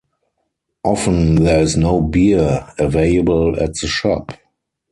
Often there is no beer available at the shop.